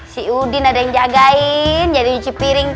si udin ada yang jagain jadi cuci piring